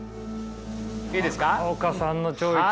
いいですか？